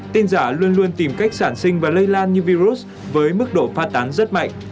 tin giả luôn luôn tìm cách sản sinh và lây lan như virus với mức độ phát tán rất mạnh